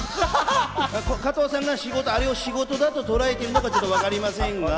加藤さんがあれを仕事だととらえてるのかちょっとわかりませんが。